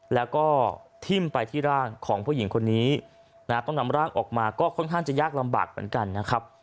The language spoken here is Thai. แล้วก็ทิ้มไปที่ร่างของผู้หญิงคนนี้นะต้องนำร่างออกมาก็ค่อนข้างจะยากลำบากเหมือนกันนะครับ